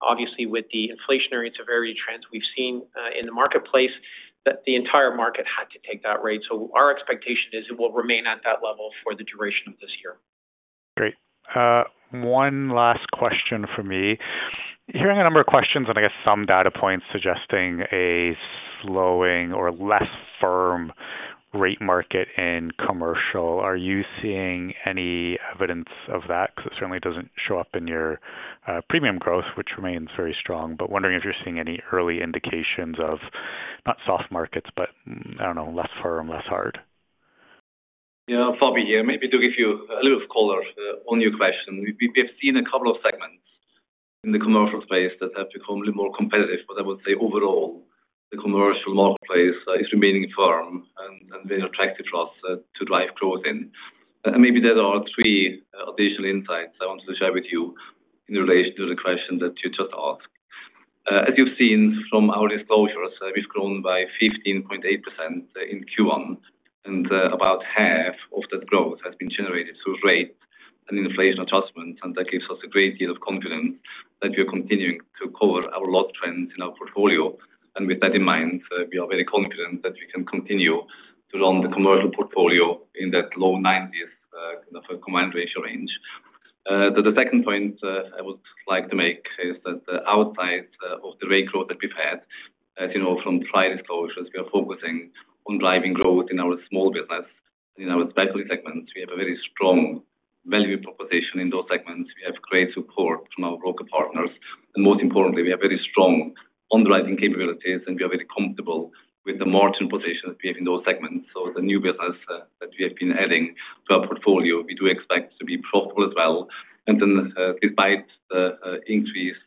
Obviously, with the inflationary and severity trends we've seen in the marketplace, the entire market had to take that rate. So our expectation is it will remain at that level for the duration of this year. Great. One last question for me. Hearing a number of questions and, I guess, some data points suggesting a slowing or less firm rate market in commercial, are you seeing any evidence of that? Because it certainly doesn't show up in your premium growth, which remains very strong. But wondering if you're seeing any early indications of not soft markets, but I don't know, less firm, less hard? Yeah, Fabian, maybe to give you a little color on your question. We have seen a couple of segments in the commercial space that have become a little more competitive. But I would say overall, the commercial marketplace is remaining firm and very attractive for us to drive growth in. And maybe there are three additional insights I wanted to share with you in relation to the question that you just asked. As you've seen from our disclosures, we've grown by 15.8% in Q1. And about half of that growth has been generated through rate and inflation adjustments. And that gives us a great deal of confidence that we are continuing to cover our loss trends in our portfolio. And with that in mind, we are very confident that we can continue to run the commercial portfolio in that low 90s kind of combined ratio range. The second point I would like to make is that outside of the rate growth that we've had, as you know, from prior disclosures, we are focusing on driving growth in our small business and in our specialty segments. We have a very strong value proposition in those segments. We have great support from our broker partners. Most importantly, we have very strong underwriting capabilities. We are very comfortable with the margin position that we have in those segments. The new business that we have been adding to our portfolio, we do expect to be profitable as well. Despite the increased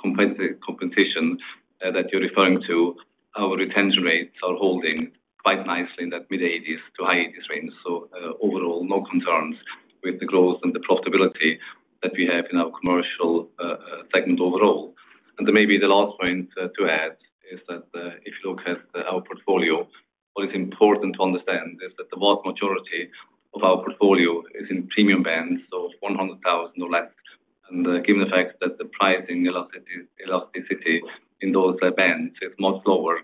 compensation that you're referring to, our retention rates are holding quite nicely in that mid-80s to high-80s range. Overall, no concerns with the growth and the profitability that we have in our commercial segment overall. Then maybe the last point to add is that if you look at our portfolio, what is important to understand is that the vast majority of our portfolio is in premium bands of 100,000 or less. And given the fact that the pricing elasticity in those bands is much lower,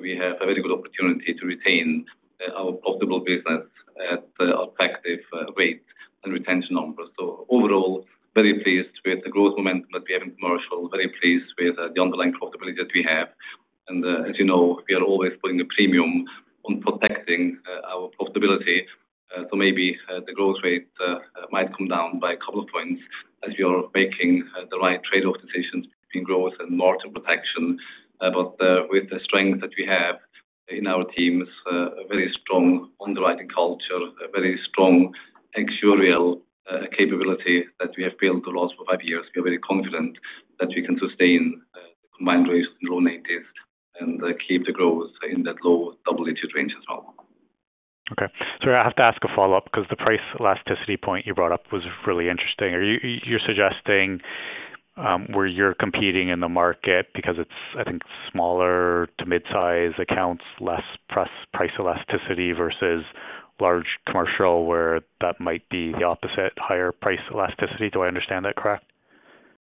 we have a very good opportunity to retain our profitable business at attractive rates and retention numbers. So overall, very pleased with the growth momentum that we have in commercial, very pleased with the underlying profitability that we have. And as you know, we are always putting a premium on protecting our profitability. So maybe the growth rate might come down by a couple of points as we are making the right trade-off decisions between growth and margin protection. But with the strength that we have in our teams, very strong underwriting culture, very strong actuarial capability that we have built the last four or five years, we are very confident that we can sustain the combined rates in the low 90s and keep the growth in that low double-digit range as well. Okay. So I have to ask a follow-up because the price elasticity point you brought up was really interesting. You're suggesting where you're competing in the market because it's, I think, smaller to midsize accounts, less price elasticity versus large commercial where that might be the opposite, higher price elasticity. Do I understand that correct?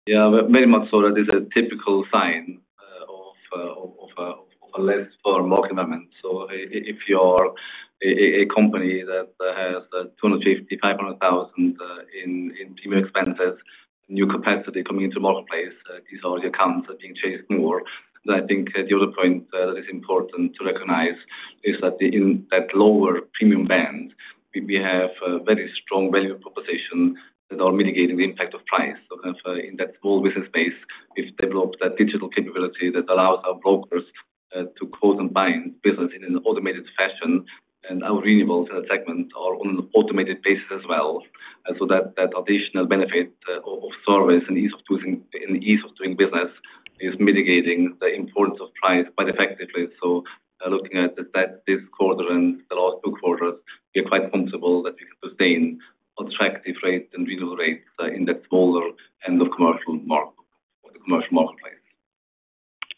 Yeah, very much so. That is a typical sign of a less firm market element. So if you are a company that has 250,000, 500,000 in premium expenses, new capacity coming into the marketplace, these are the accounts that are being chased more. And I think the other point that is important to recognize is that in that lower premium band, we have a very strong value proposition that are mitigating the impact of price. So in that small business space, we've developed that digital capability that allows our brokers to quote and bind business in an automated fashion. And our renewals in that segment are on an automated basis as well. So that additional benefit of service and ease of doing business is mitigating the importance of price quite effectively. Looking at this quarter and the last two quarters, we are quite comfortable that we can sustain attractive rates and renewal rates in that smaller end of the commercial marketplace.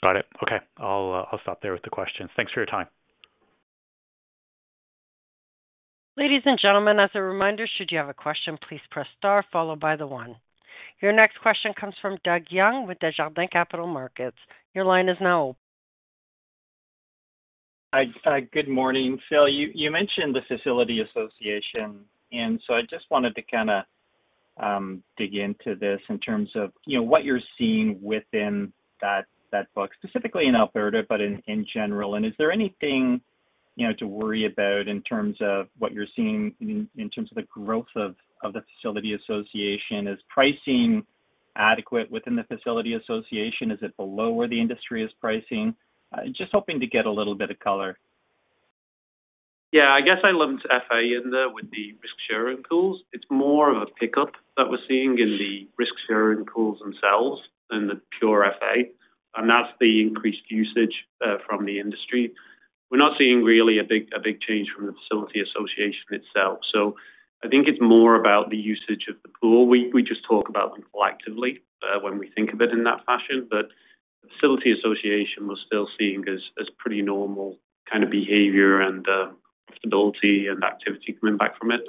Got it. Okay, I'll stop there with the questions. Thanks for your time. Ladies and gentlemen, as a reminder, should you have a question, please press star, followed by the 1. Your next question comes from Doug Young with Desjardins Capital Markets. Your line is now open. Good morning, Phil. You mentioned the Facility Association. And so I just wanted to kind of dig into this in terms of what you're seeing within that book, specifically in Alberta, but in general. And is there anything to worry about in terms of what you're seeing in terms of the growth of the Facility Association? Is pricing adequate within the Facility Association? Is it below where the industry is pricing? Just hoping to get a little bit of color. Yeah, I guess I lumped FA in there with the Risk Sharing Pools. It's more of a pickup that we're seeing in the Risk Sharing Pools themselves than the pure FA. And that's the increased usage from the industry. We're not seeing really a big change from the Facility Association itself. So I think it's more about the usage of the pool. We just talk about them collectively when we think of it in that fashion. But the Facility Association we're still seeing as pretty normal kind of behavior and profitability and activity coming back from it.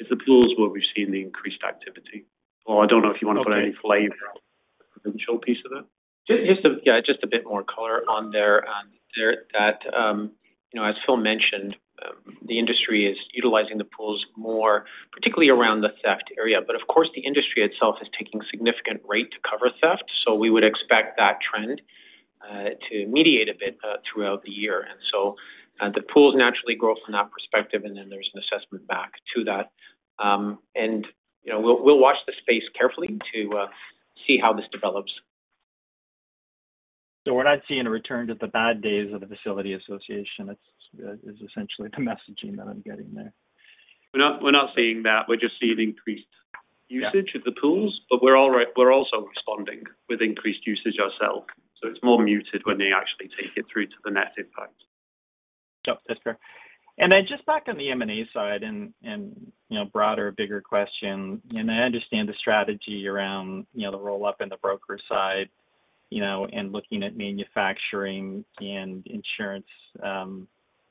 It's the pools where we've seen the increased activity. Well, I don't know if you want to put any flavor on the provincial piece of that. Yeah, just a bit more color on there. And as Phil mentioned, the industry is utilizing the pools more, particularly around the theft area. But of course, the industry itself is taking significant rate to cover theft. So we would expect that trend to moderate a bit throughout the year. And so the pools naturally grow from that perspective. And then there's an assessment back to that. And we'll watch the space carefully to see how this develops. So we're not seeing a return to the bad days of the Facility Association. That is essentially the messaging that I'm getting there. We're not seeing that. We're just seeing increased usage of the pools. But we're also responding with increased usage ourselves. So it's more muted when they actually take it through to the net impact. No, that's fair. And then just back on the M&A side and broader, bigger question, and I understand the strategy around the roll-up and the broker side and looking at manufacturing and insurance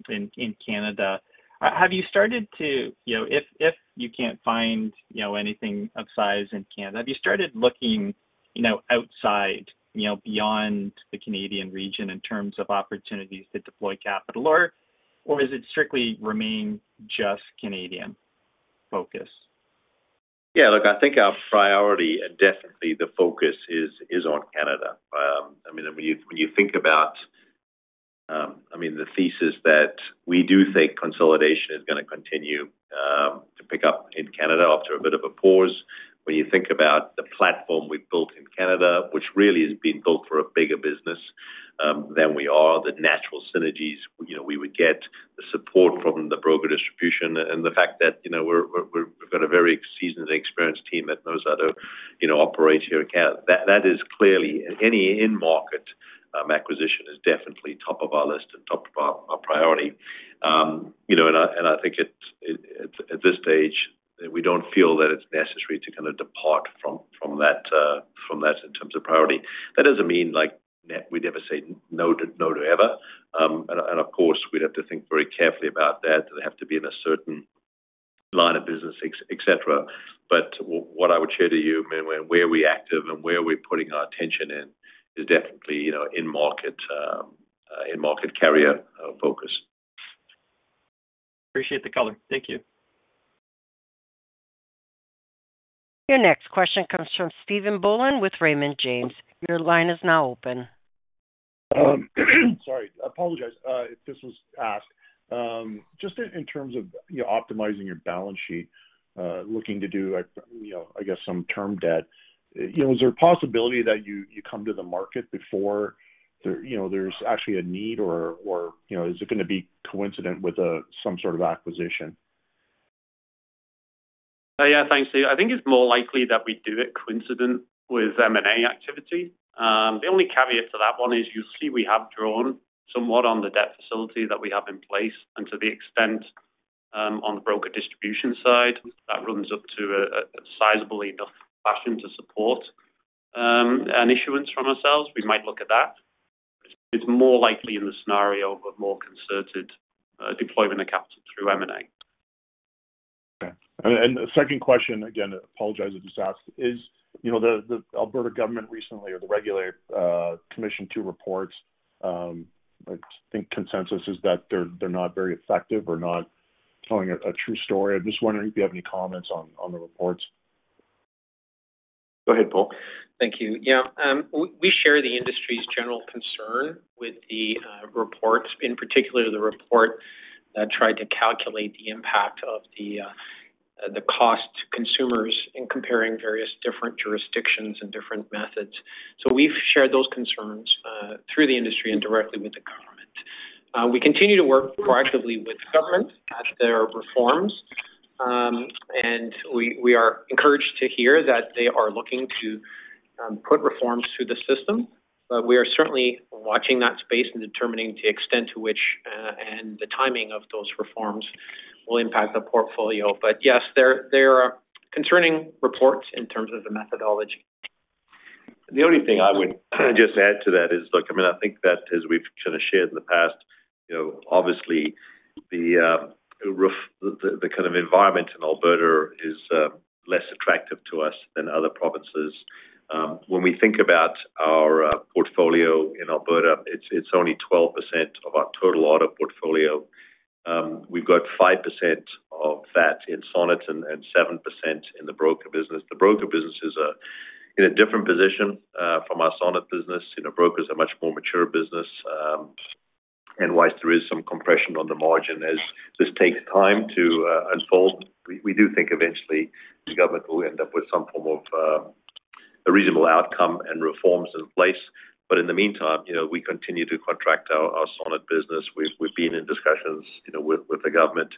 in Canada. Have you started to, if you can't find anything of size in Canada, have you started looking outside, beyond the Canadian region in terms of opportunities to deploy capital? Or does it strictly remain just Canadian focus? Yeah, look, I think our priority, and definitely the focus, is on Canada. I mean, when you think about I mean, the thesis that we do think consolidation is going to continue to pick up in Canada after a bit of a pause. When you think about the platform we've built in Canada, which really has been built for a bigger business than we are, the natural synergies we would get, the support from the broker distribution, and the fact that we've got a very seasoned and experienced team that knows how to operate here in Canada, that is clearly any in-market acquisition is definitely top of our list and top of our priority. I think at this stage, we don't feel that it's necessary to kind of depart from that in terms of priority. That doesn't mean we'd ever say no to ever. Of course, we'd have to think very carefully about that. Do they have to be in a certain line of business, etc.? But what I would share to you, where we're active and where we're putting our attention in is definitely in-market carrier focus. Appreciate the color. Thank you. Your next question comes from Stephen Boland with Raymond James. Your line is now open. Sorry, I apologize if this was asked. Just in terms of optimizing your balance sheet, looking to do, I guess, some term debt, is there a possibility that you come to the market before there's actually a need? Or is it going to be coincident with some sort of acquisition? Yeah, thanks, Steve. I think it's more likely that we do it coincident with M&A activity. The only caveat to that one is usually we have drawn somewhat on the debt facility that we have in place. And to the extent on the broker distribution side, that runs up to a sizable enough fashion to support an issuance from ourselves, we might look at that. But it's more likely in the scenario of a more concerted deployment of capital through M&A. Okay. The second question, again, I apologize I just asked, is the Alberta government recently, or the regulator commissioned reports. I think consensus is that they're not very effective or not telling a true story. I'm just wondering if you have any comments on the reports. Go ahead, Paul. Thank you. Yeah, we share the industry's general concern with the reports, in particular the report that tried to calculate the impact of the cost to consumers in comparing various different jurisdictions and different methods. So we've shared those concerns through the industry and directly with the government. We continue to work proactively with the government at their reforms. And we are encouraged to hear that they are looking to put reforms through the system. But we are certainly watching that space and determining the extent to which and the timing of those reforms will impact the portfolio. But yes, there are concerning reports in terms of the methodology. The only thing I would just add to that is, look, I mean, I think that as we've kind of shared in the past, obviously, the kind of environment in Alberta is less attractive to us than other provinces. When we think about our portfolio in Alberta, it's only 12% of our total auto portfolio. We've got 5% of that in Sonnet and 7% in the broker business. The broker business is in a different position from our Sonnet business. Brokers are a much more mature business. And while there is some compression on the margin as this takes time to unfold, we do think eventually the government will end up with some form of a reasonable outcome and reforms in place. But in the meantime, we continue to contract our Sonnet business. We've been in discussions with the government.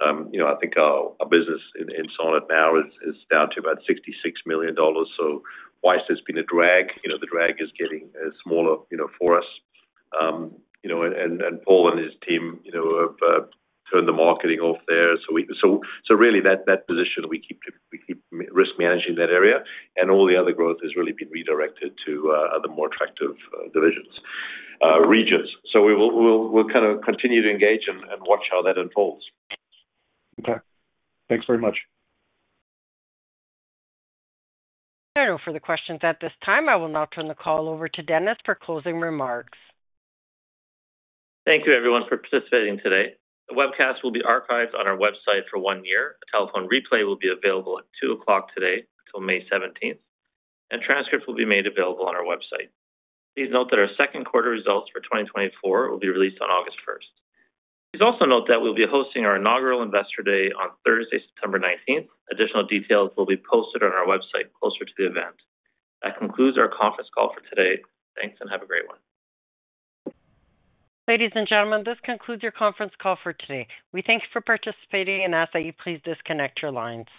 I think our business in Sonnet now is down to about 66 million dollars. So while it's been a drag, the drag is getting smaller for us. And Paul and his team have turned the marketing off there. So really, that position, we keep risk managing that area. And all the other growth has really been redirected to other more attractive regions. So we'll kind of continue to engage and watch how that unfolds. Okay. Thanks very much. For the questions at this time, I will now turn the call over to Dennis for closing remarks. Thank you, everyone, for participating today. The webcast will be archived on our website for one year. A telephone replay will be available at 2:00 P.M. today until May 17th. Transcripts will be made available on our website. Please note that our second quarter results for 2024 will be released on August 1st. Please also note that we'll be hosting our inaugural Investor Day on Thursday, September 19th. Additional details will be posted on our website closer to the event. That concludes our conference call for today. Thanks and have a great one. Ladies and gentlemen, this concludes your conference call for today. We thank you for participating and ask that you please disconnect your lines.